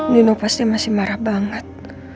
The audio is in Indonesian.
nino pasti marah banget